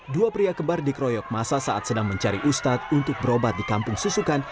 dua pria kembar dikeroyok masa saat sedang mencari ustadz untuk berobat di kampung susukan